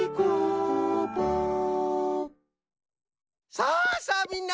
さあさあみんな！